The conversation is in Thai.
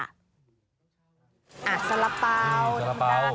อ่ะสละเป๋าน้ำตาล